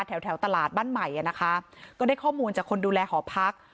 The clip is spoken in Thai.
แถวแถวตลาดบ้านใหม่อ่ะนะคะก็ได้ข้อมูลจากคนดูแลหอพัก